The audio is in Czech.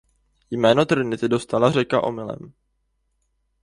Jméno Trinity dostala řeka omylem.